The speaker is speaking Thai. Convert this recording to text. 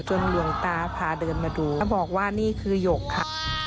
หลวงตาพาเดินมาดูแล้วบอกว่านี่คือหยกค่ะ